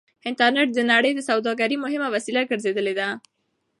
انټرنټ د نړۍ د سوداګرۍ مهمه وسيله ګرځېدلې ده.